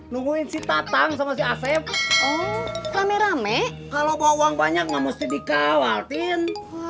nungguin si tatang sama si asep rame rame kalau bawa uang banyak nggak mesti dikawaltin